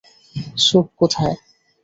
Soup কোথায়?